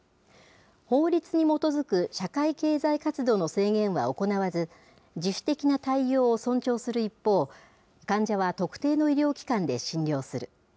法律に基づく社会経済活動の制限は行わず、自主的な対応を尊重する一方、患者は特定の医療機関で診療する。